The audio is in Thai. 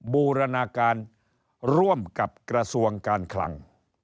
บูรณาการร่วมกับกระทรวงการคลัง